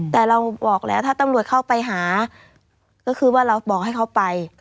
แต่เราบอกแล้วถ้าตำรวจเข้าไปหาก็คือว่าเราบอกให้เขาไป